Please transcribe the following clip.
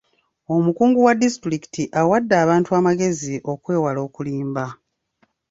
Omukungu wa disitulikiti awadde abantu amagezi okwewala okulimba.